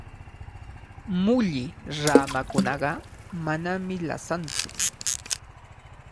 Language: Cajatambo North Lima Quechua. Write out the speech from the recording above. Mulli ramakunaqa manami lasantsu.